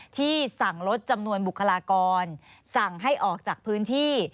ที่สั่งลดจำนวนบุคลากรสั่งให้ออกจากพื้นที่